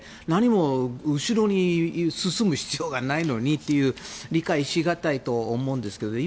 何も後ろに進む必要がないのにっていう理解しがたいと思うんですが。